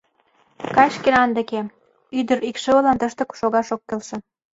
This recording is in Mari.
Кай шкенан деке: ӱдыр икшывылан тыште шогаш ок келше.